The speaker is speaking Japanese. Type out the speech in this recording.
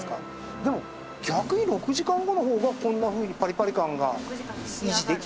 でも逆に６時間後の方がこんなふうにパリパリ感が維持できてる。